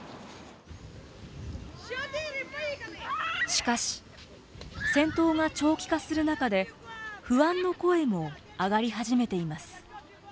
しかし戦闘が長期化する中で不安の声も上がり始めています。